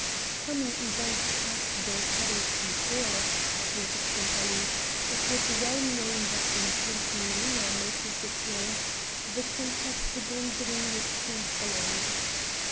"'Coming events cast their shadows before,'" quoted Sempaly; it was well known that when Prince Norina made his appearance the Countess de Gandry would soon follow.